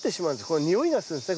これにおいがするんですね